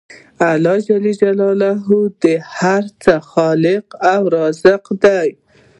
الله ج د هر څه خالق او رازق دی